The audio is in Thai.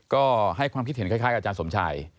ก็ให้ความคิดเห็นคล้ายกับอาจารย์สมชัย